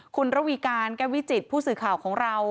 คุณระวีการแก้ววิจิตผู้สื่อข่าวของเรา